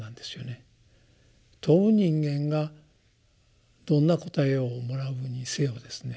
問う人間がどんな答えをもらうにせよですね